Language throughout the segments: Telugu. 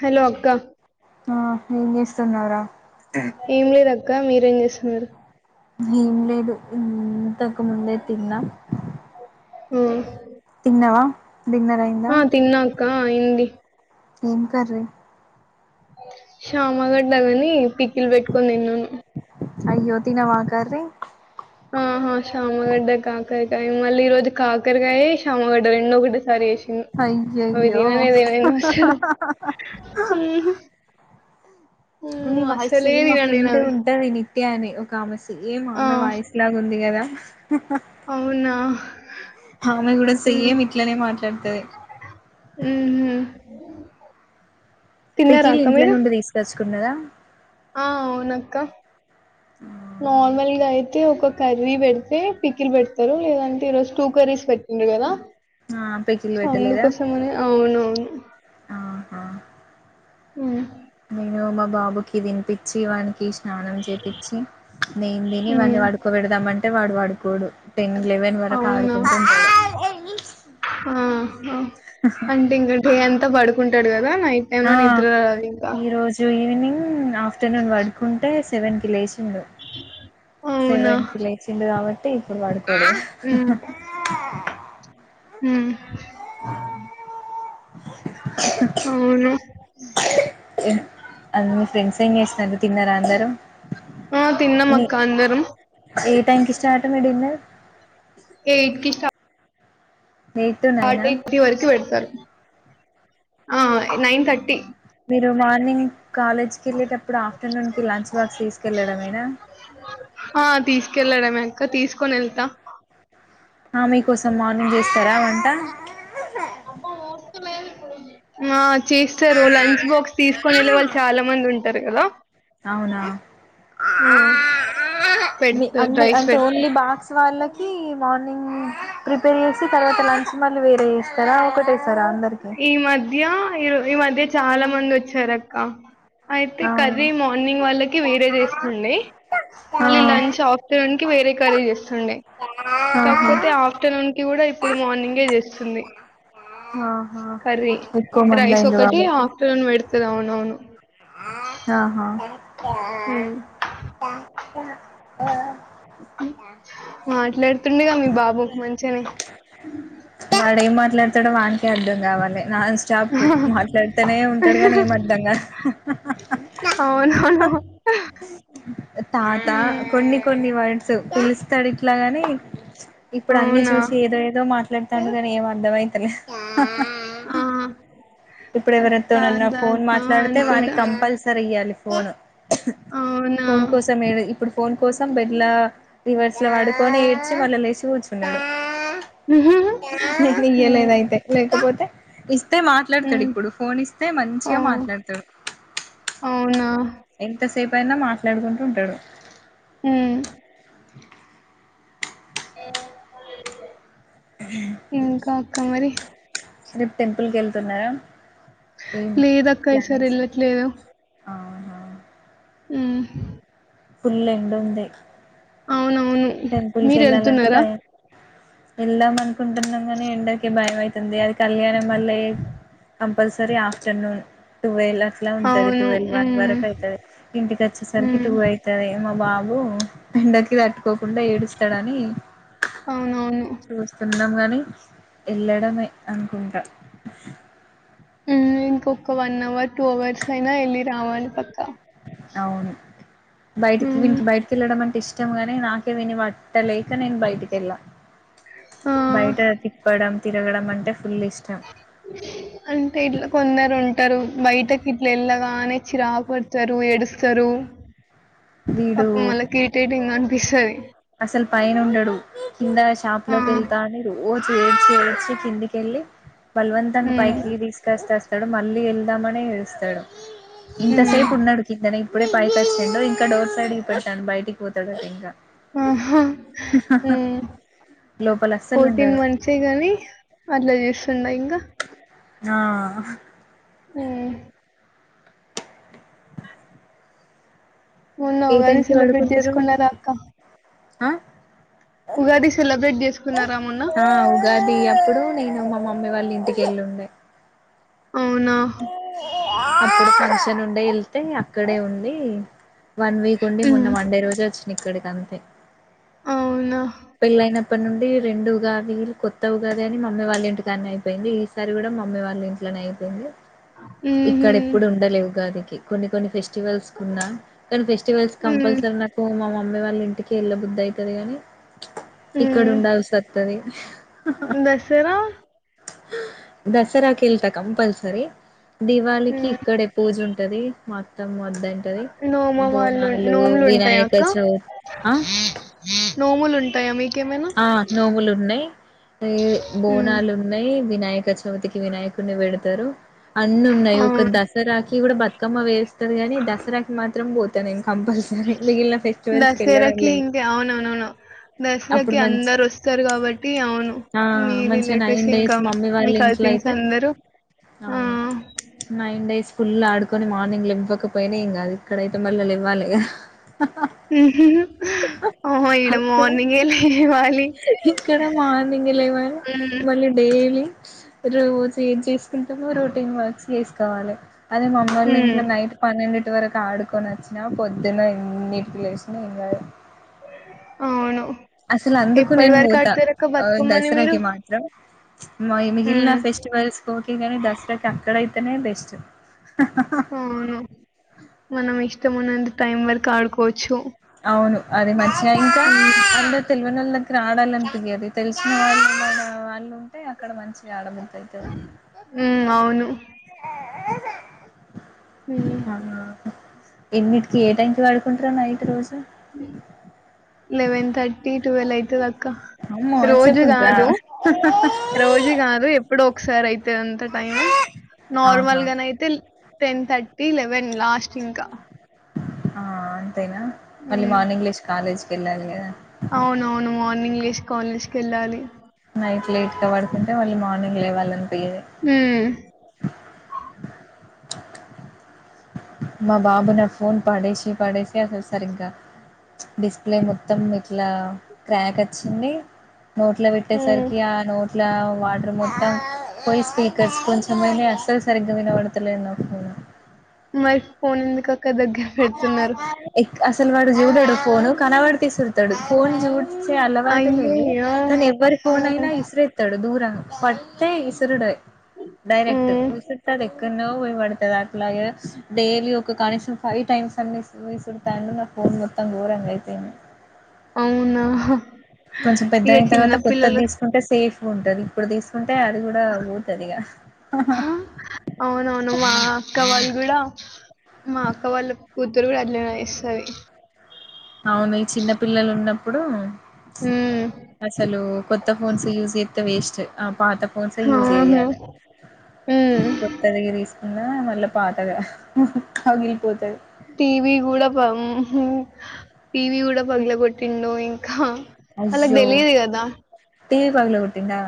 హలో అక్క ఆ ఏం చేస్తున్నావు ర ఏం లేదక్క మీరేం చేస్తున్నారు ఏం లేదు ఇంతకు ముందే తిన్నాం హ్మ్ తినవా డిన్నర్ అయింద కా అఇంది ఏం కర్రీ శ్యామగడలు ఆని పికిల్ పెట్టుకోని తిన్నాను అయో తినవా ఆ కర్రీ ఆహా శామగడ్డ కాకరకాయ మళ్ళీ ఈ రోజు కాకరకాయ శామగడ్డ రెండుఒకటి అయ్యయ్యో [unintelligible] [inaudible] మీ వాయిస్మ్ సేమ్ మా తినను నేను ఫ్రెండ్ అవి ఉంటాది నిత్యా అని ఒక ఆమ్మాయి సేమ్ ఆ అమే వాయిస్ లాగా ఉంది కదా అవునా ఆమె కూడా ఉమ్ సేమ్ ఇట్లనే మాట్లాడుతది ఉహు తిన్నారా పికిల్ అక్క ఇంట్లో మీరు నుండి తీసుకొచ్చుకున్నదా ఆ అవునక్క నార్మల్గాయితే అయితే ఒక కర్రీ పెడితే పికిలు పెడతారు లేదంటే ఈ రోజు టూ కర్రీస్ పెట్టిండారు కదా ఆహా ఆ పికిల్ పెట్టలేదా అందుకోసమని అవున అవును ఆహా హ నేను మా బాబుకి తినిపించి వానికి ఇష్ట స్నానం చేపచ్చి నేన్ తిని వాని ఉమ్, వాడుకోబెడదామంటే వాడు వాడుకోడు టెన్ ఇలెవెన్ వరకు అవునా ఆడుకుంటు ఆ, అంటే ఇంక డే పడుకుంటాడు కదా నైట్ టైమ్ ఆ లో నిద్ర రాదు ఇంకా ఈ రోజు ఈవినింగ్ ఆఫ్టర్నూన్ పడుకుంటే సెవెన్ కి లేస్తాడు అవునా సెవెన్ కి లేచిండు కాబట్టి [unintelligible] హ్మ్ అవును మీ ఫ్రెండ్స్ ఏం చేస్తురు తిన్నారా అందరూ ఆ తిన్న మక్క అందేరం టైం కి స్టార్ట మీ డిన్నర్ ఎయిట్ క ఎయిట్ టు నైనా ఫార్టీ ఫిఫ్టీ ఇప్పటి వరకు పెడతారు ఆ! నైన్ థర్టీ మీరు మార్నింగ్ కాలేజ్కి వెళ్ళేటప్పుడు ఆఫ్టర్నూన్ కి లంచ్ బాక్స్ తీసుకెళ్ళడమేనా తీసుకెళ్ళడేమ అక్క తీసుకొని వెళ్తా ఆ మీ కోసం మార్నింగ్ చేస్తారా వంట ఆ చేస్తారు లంచ్ బాక్స్ తీసుకొని వెళ్ళే వాళ్ళు చాలా మంది ఉంటారు గదా అవునా అన్ని పెడతారు అంద రైస్ అంటే పెడతారు ఓన్లీ బాగ్స్ వాళ్ళకి మార్నింగ్ ప్రిపేర్ చేసి తర్వాత ఇలా మళ్లీ వేరేజేస్తారా ఒకటి ఈ మధ్య ఈ ఈ మధ్య చాలా మందోచ్చారక్క అయితే ఆ కర్రీ మార్నింగ్ వాళ్ళకి వేరే జేస్తుండే మళ్ళీ ఆ లంచ్ ఆఫ్టర్నూన్ వేరే కర్రి జేస్తుండే ఆహా కాకపోతే ఆఫ్టర్నూన్ కి కూడా ఇప్పుడు మార్నింగే జేస్తుంది ఆహా కర్రీ ఎక్కువ మంది రైస్ అయిండ్రు ఒకటి కాబట్టి ఆఫ్టర్నూన్ పెడుతది అవును అవును అహా ఉమ్ మాట్లాడుతుండేగా మీ బాబు మంచిగనే ఎట్లత్తడో వానికే అర్ధం కావాలి నాన్ స్టాప్ మాట్లాడతనే ఉంటాడు గానీ ఏం అర్ధంగా హహ అవునవును హ తాత కొన్ని కొన్ని వర్డ్స్ పిలుస్తాడు ఇట్లగాని ఇప్పుడు అన్ని అవునా చూసి ఏదో ఏదో మాట్లా కర గాని ఏం అర్దం అయితలే ఆ! ఇప్పుడు అత్త ఎవరితోనన్న ఫోన్ తాత మాట్లాడితే వానికి అనుకుంటా. కంపల్సరీ ఇయ్యాలి న్ ఫోన్ అవునా? ఫోన్ కోసం ఎవి ఇప్పుడు ఫోన్ కోసం బెడ్ల రివర్స్లో పడుకొని ఏడ్చి మళ్ళ లేచి కూర్చున్నడు హ్మ్. ఇయ్యలేదయితే లేకపోతే ఇస్తే మా ఇత్తడు హ్మ్. ఇప్పుడు ఫోన్ ఇస్తే ఆ! మంచిగా మాట్లాడతడు అవునా? ఎంతసేపు అయిన మాట్లాడుకుంటూ ఉంటడు అమ్ ఇంకా అక్క మరి టెంపుల్కి వెళ్తున్నారా ఈ లేదక్క ఈసారి ప్లానింగ్స్ ఏంటి ఎళ్ళట్లేదు. ఉమ్ హు ఫుల్ ఎండుంది అవునవును మీరు వెళ్తున్నరా భయం వెళ్దాం అనుకుంటున్నాం గనీ ఎండకి భయం అవుతుంది అది కళ్యాణం వల్ల ఎ అమ్ సరిసరే ఆఫ్టర్నూన్ టువెల అట్లా ఉంటది అవును. టువెల్వ్ వన్ హ్మ్. వరకు అయితది ఇంటికి వచ్చేసరికి హ్మ్. టూ అయితది మా బాబు ఉమ్ ఎండకి తట్టుకోకుండా ఏడుస్తడని అవునవును. చూస్తున్నంగని ఎల్లడమే అనుకుంటా ఉమ్ ఇంకొక వన్ అవర్ టూ అవర్స్ అయినా వెళ్ళి రావాలి పక్క అవును బయటికి హ్మ్. వీనికి బయటికెళ్ళడం అంటే ఇష్టం ఎమో గని నాకే విని పట్టలేక నేను బయటికెళ్ళ బయట ఆ! తిప్పడం తిరగడం అంటే ఫుల్ ఇష్టం అంటే ఇట్ల కొందరు ఉంట ఉంటరు బయటకి ఇట్ల ఎళ్ళగానే చిరాకు పడతారు ఎడుస్తరు వీడు పాపం వాళ్ళకి ఇరిటెటింగ్ అనిపిస్తది అసలు పైన ఉండడు కింద షాప్ ఆ! లోకి వెళ్తా అని రో ఏడ్చి ఏడ్చి కిందికెళ్ళి బలవంతంగా హ్మ్. పైకి తీసుకస్తస్త డు మళ్ళీ వెళ్దామనే ఏడుస్తాడు హ్మ్. ఇంతసేపు ఉన్నడు కిందనే ఇప్ ఇప్పుడే పైకచ్చిండు ఇంకా డోర్ సైడ్కి పోతాండ్ బయటికి పోతాడట ఇంకా ఆహా ఉమ్ లోపల అస్సలు ఫోర్టీన్ ఉండడు మంత్సే గాని అట్లా చేస్ ఆ అహ్ ఆమ్ మెన్న ఏ ఉగాది టైంకి సెలబ్రేట్ పడుకుంటారు చేసుకున్న రా అక్క ఉగాది సెలబ్రేట్ చేసుకున్నారా మొన్న? ఆ ఉగాది అప్పుడు నేను మమ్మీ వాళ్ళ ఇంటికేళ్ళలిండే అవునా? అక్కడ ఫంక్షన్ ఉండే వెళ్తే అక్కడే ఉండి వన్ వీక్ ఉండి మొన్న హ్మ్. వన్డే రోజు వచ్చి ఇక్కడికి అంతే అవునా? పెళ్ళయిన ఇప్పటి నుండి రెండు ఉగాది కొత్త ఉగాది అని మమ్మీ వాళ్ళ ఇంటి కానీ అయిపోయింది ఈసారి కూడా మమ్మీ వాళ్ళ ఇట్లో అ ఇక్కడ హుహు. ఎప్పుడు ఉండ ఉగా కొ కొ నీ ఫెస్టివల్స్ హ్మ్. కంపల్రీ నా అమ్మే వాళ్ళ ఇంటికి ఎళ్ళ బుద్ధ అయితది గాని ఇక్కడ హ్మ్. ఉండాల్సి వస్తుది దసరా దసరాకిల్తా కంపల్సరి దివాళికి హ్మ్. ఇక్కడే పూజ ఉంటది మొత్తం మొద అంటది నోమ బోనాలు వినాయక చ నోముూలు ఉంట ఆ నోవులు ఉన్నాయి ఉమ్, బోనాలు ఉన్నాయి వినాయక చవితికి వినాయకుని పెడతారు అన్ని ఉన్నాయి ఒక అవును దసరాకి కూడా బ అక్కమ్మ వేస్తారు గాని దసరాకి మాత్రం పోతానండి కంపల్సర ఎక ఫెస్టివల్స్ క వెళ్లడం దసరాకి లే ఇంకా అవునవునవును ఇడు దసరాకి మంచి అందరు వస్తారు కాబట్టి అవును మీ మంచి రిలేటివ్స్ నైన్ ఇంకా డేస్ మమ్మీ మీ వాళ్ళ ఇంట్లో కజిన్స్ అయితే అందరూ ఆ అవును న ఇడి స్కుల్ ఆడుకొని మార్నింగ్ లో ఇవ్వకపోయినా ఇంకా ఇక్కడయితే మళ్ల్ళలు ఇవ్వాలి ఆ ఇడ అక్కడ మార్నింగ్ అలి ఇక్కడ మార్నింగ్ లేమని ఉమ్, మళ్ళీ డే డలీ రోజు ఏం చేసుకుంటే మ రొటీన్ వర్క్స్ చేసుకోవాలి అదే మమ్మ వాళ్ళ ఉమ్, ఇంట్లో నైట్ పనిండి ఇ వరకు ఆడుకోచ్చిన పొద్దున ఎన్నికులేం అవును అసలు అందుకు ఎప్పటి నేను వరకు పోతా ఆడతారక్క బతుకమ్మని మీరు దసరాకి మాత్రం మిగిలిన ఉమ్, ఫెస్టివల్స్ కే కాని దసరాకి అక్కడయితేనే బెస్ట్ అవును మనం ఇష్టంన్నంత టైం వరకు ఆడుకోవచ్చు అవును అది మధగా ఇంకా ఉమ్, అందు తెలివ న వాళ్ళ ఇక్కడ ఆడాలని తిరియదు తెలిసిన వాళ్ళు వాళ్ళు ఉంటే అక్కడ మంచిగా ఆడబ అయితే ఉమ్, అవును ఎన్నిటికి ఏ టైకి వాడుకుంటారో నైట్ రోజు [inaudible] లెవెన్ థర్టీ ట్వెల్వ్ అయితే దక్క అమ్మో రోజు అంతసేపు ఉంటరా కాదు రోజు కాదు ఎప్పుడు ఒకసారి అయితే అంత టైం ఆహా నార్మల్ గానయితే టెన్ థర్టీ లెవెన్ లాస్ట్ ఇంకా ఆ అంతేనా మళ్ళీ మార్నింగ్లీష్ కాలేజీకి వెళ్ళాలి కదా అవున అవును మార్నింగ్ంగ్లీష్ కాలేజ్కి వెళ్ళాలి నైట్ లేట్గా పడుతుంటే వాళ్ళు మార్నింగ్ లేవాలంట మ్మ్ మా బాబు నా ఫోన్ పడేసి పడేసి అసలు సరి్గా డిస్ప్లే మొత్తం ఇట్లా క్రాక్ వచ్చింది నోట్ల పెట్టేసరికి ఆ నోట్ల వాటర్ మొత్తం పోయి స్పీకర్స్ కొంచెంమ అసలు సరిగ్గా వినబడతలేన్న ఫోన్ [inaudible] మరి ఫోన్ ఎందుకక్క దగ్గర పెడుతున్నారు అసలు వాడు చూడడు ఫోను కనవాడి తీసుళ్తాడు ఫోన్ చూ చ్చే అలవాటు లేదు అయ్యయ్యో కానీ ఎవ్వరి ఫోన్ అయినా మ్మ్ ఇస్రే డు దూర పట్టే ఇసురుడు డైరెక్ట్ మ్మ్ ఉసుతా క్క పోయపడుతుది అట్లాగే డైలీ ఒక కనీసం ఫైవ్ టైమ్స్ అన్నిీ విసుడతాండు నా ఫోన్ మొత్తం ోరంగా అయిపోయింది అవునా కొంచెం పెద్ద ఇగ అయిన తర్వాత చిన్న కొత్తది పిల్లలు తీసుకుంటే సేఫ్ గుండదిప ప్రదేశని అంతే అది కూడా పోతుదిగా అవునవును మా అక్క వాళ్ళు కూడా మా అక్క వాళ్ళ కూతురు కూడా అది వస్తుంది అవును ఈ చిన్న పిల్లలు ఉన్నప్పుడు ఉమ్ అసలు కొత్త ఫోన్స్ ూస్ చేతే వేస్ట్ అఫ్ పాత ఫోన్స్ యూస్ ఆహా చేయాలి ఉమ్ పుత్త దిసగిరి స్ అన్నా మళ్ళా పాతగా పగిలిపోతది టి వి కూడాడా ప వి కూడాడా పగల కొట్టింు ద ఇంకా అలాగ తెలిది కదా టీ వి పగల కొట్టిందా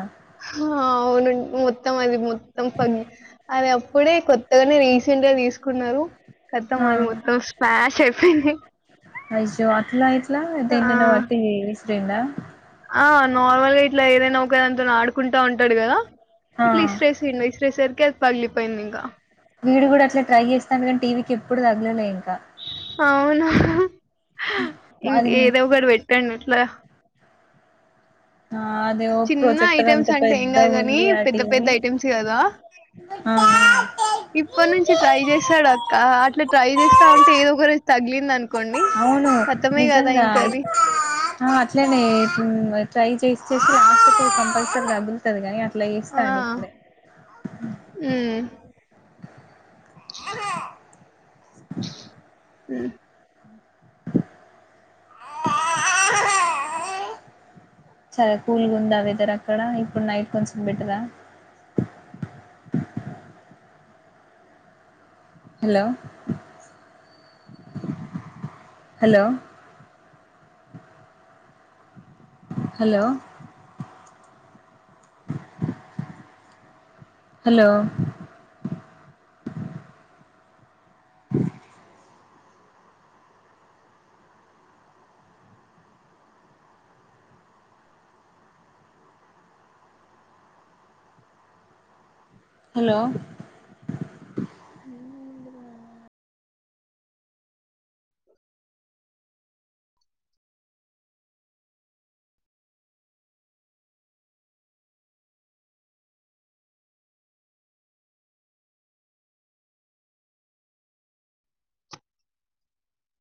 అవునుడి మొత్తం అది మొత్తం పగి అది అప్పుడే కొత్తగానే రీసెంట్ గా తీసుకున్నారు ఆ కతమాది మొత్తం స్పాష్ [inaudible] అయో అట్ల ఇట్ల దేన్నో పట్టి బిసరింద అ నార్మల్గా ఇట్లా ఏదైనా ఒక దాన్తో ఆడుకుంటా ఉంటాడు కదా ఆ ఇట్లీ ఇస్రేసిండు ఇస్రే సరికే పగిలి పోయింది ఇంకా వీడు కూడ అట్లా ట్రై చేస్తాండు కానీ టీవీకి ఎప్పుడు తగ్లలేండి అవున ఇంక అది ఏదోక పెట్టండి ఇట్లా ఆ అదే ఓ చిన్న ప్రొజెక్టర్ అంత ఐటెమ్స్ అంటే ఏం పెద్ద కాదు కాని ఉంది ఆ పెద్ద పెద్ద టీవి ఐటెమ్స్ కదా ఆ ఇప్పటి నుంచి ట్రై చేశాడు అక్క అట్లా ట్రై చేస్తా ఉంటే ఏదో ఒక రజు తగిలింది అనుకోండి అవును కతమే కదా నిజంగా ఇంకది అట్లేనే చేసి ఆస్పత్ర కంపల్సరీగాగబులుతు గకనీ లేస్తా ఆ అండి ఇప్పుడె ఉమ్ [inaudible] ఉ [inaudible] చాలా కూల్గ ఉందా వెదర్ అక్కడ ఇప్పుడు నైట్ కొంచెం పెట్టదా [inaudible] hello hello hello hello [inaudible] hello